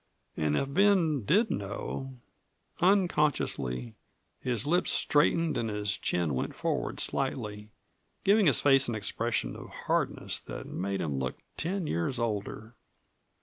And if Ben did know Unconsciously his lips straightened and his chin went forward slightly, giving his face an expression of hardness that made him look ten years older.